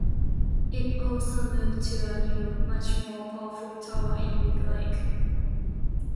It also moved to a new, much more powerful tower in Big Lake.